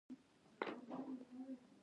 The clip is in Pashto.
هغې مالټه خوړه.